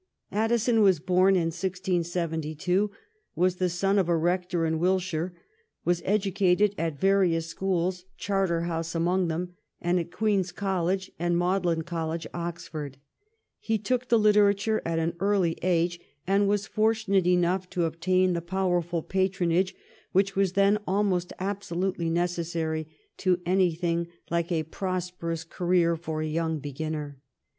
Addison was born in 1672, was the son of a rector in Wiltshire, was educated at various schools, Charterhouse among them, and at Queen's College and Magdalen College, Oxford. He took to litera ture at an early age, and was fortunate enough to obtain the powerful patronage which was then almost absolutely necessary to anything like a prosperous 168 THE REIGN OF QUEEN ANNE. ch. xxix. career for a young beginner.